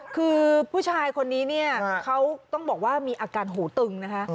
คือผู้ชายคนนี้เนี่ยเขาต้องบอกว่ามีอาการหูตึงนะคะ